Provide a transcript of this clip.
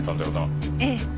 ええ。